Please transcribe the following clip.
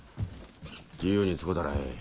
自由に使たらええ。